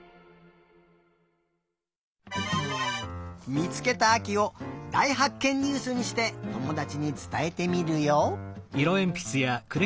みつけたあきをだいはっけんニュースにしてともだちにつたえてみるよ。